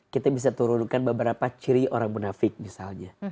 kita bisa turunkan beberapa ciri orang munafik misalnya